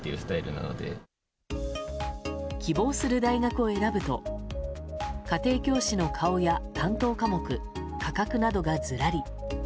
希望する大学を選ぶと家庭教師の顔や担当科目価格などがずらり。